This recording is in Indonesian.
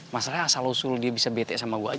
masalahnya asal usul dia bisa bete sama gue aja